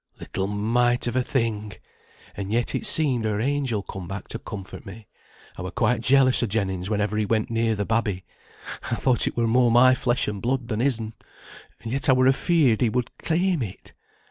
"Little mite of a thing! and yet it seemed her angel come back to comfort me. I were quite jealous o' Jennings whenever he went near the babby. I thought it were more my flesh and blood than his'n, and yet I were afeared he would claim it.